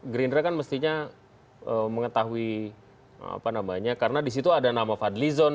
gerindra kan mestinya mengetahui apa namanya karena disitu ada nama fadlizon